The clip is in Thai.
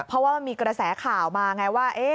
เพราะว่ามีกระแสข่าวมาว่า